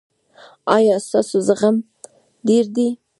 ایا ستاسو زغم ډیر دی؟